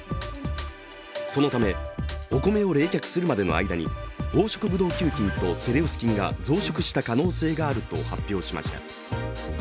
そのため、お米を冷却するまでの間に黄色ブドウ球菌とセレウス菌が増殖した可能性があると発表しました。